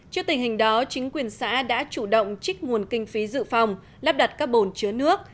trước tình hình đó chính quyền xã đã chủ động trích nguồn kinh phí dự phòng lắp đặt các bồn chứa nước